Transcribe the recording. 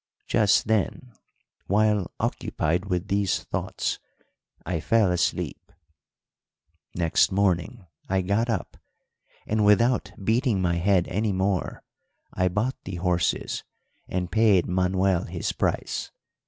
"Just then, while occupied with these thoughts, I fell asleep. Next morning I got up, and without beating my head any more I bought the horses and paid Manuel his price.